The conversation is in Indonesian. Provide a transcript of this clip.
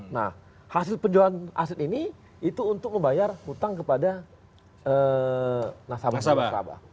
nah hasil penjualan aset ini itu untuk membayar hutang kepada nasabah nasabah